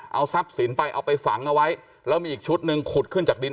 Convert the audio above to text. เอาทรัพย์สินไปเอาไปฝังเอาไว้แล้วมีอีกชุดหนึ่งขุดขึ้นจากดิน